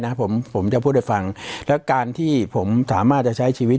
นะผมผมจะพูดให้ฟังแล้วการที่ผมสามารถจะใช้ชีวิต